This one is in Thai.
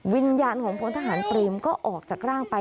วิญญาณของพลทหารเปรมก็ออกจากร่างไป